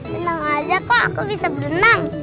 tenang aja kok aku bisa berenang